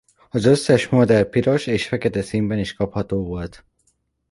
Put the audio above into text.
Az összes modell piros és fekete színben is kapható volt.